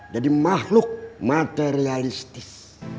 jadi mahluk materialistis